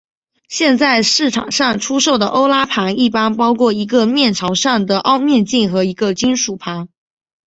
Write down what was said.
现在市场上出售的欧拉盘一般包括一个面朝上的凹面镜和一个金属盘。